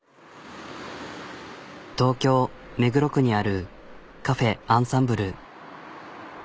東京目黒区にあるカフェ・アンサンブル。